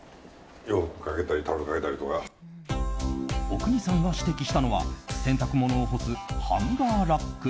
阿国さんが指摘したのは洗濯物を干すハンガーラック。